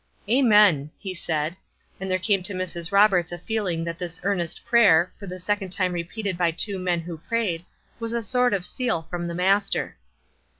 "Amen!" he said. And there came to Mrs. Roberts a feeling that this earnest prayer, for the second time repeated by two men who prayed, was a sort of seal from the Master.